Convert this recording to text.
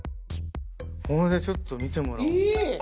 これでちょっと見てもらおう。